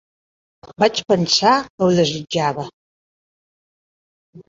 Vaig pensar que ho desitjava.